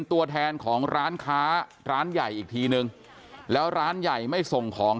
ตัวแทนของร้านค้าร้านใหญ่อีกทีนึงแล้วร้านใหญ่ไม่ส่งของ